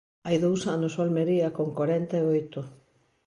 Hai dous anos o Almería con corenta e oito.